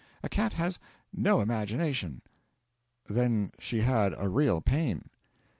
A cat has no imagination.' 'Then she had a real pain?'